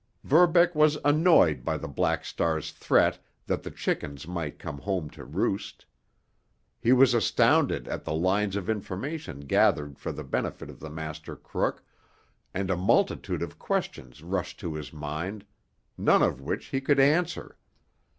Verbeck was annoyed by the Black Star's threat that the chickens might come home to roost. He was astounded at the lines of information gathered for the benefit of the master crook, and a multitude of questions rushed to his mind, none of which he could answer.